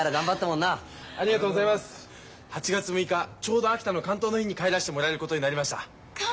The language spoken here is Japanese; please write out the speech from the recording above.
８月６日ちょうど秋田の竿燈の日に帰らせてもらえることになりました。